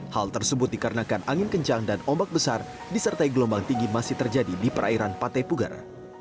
hal tersebut dikarenakan angin kencang dan ombak besar disertai gelombang tinggi masih terjadi di perairan pantai pugar